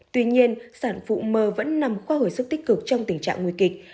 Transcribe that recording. tuy nhiên sản phụ mờ vẫn nằm khoa hồi sức tích cực trong tình trạng nguy kịch